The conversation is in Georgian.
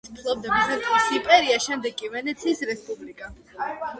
მოგვიანებით ფლობდა ბიზანტიის იმპერია, შემდეგ კი ვენეციის რესპუბლიკა.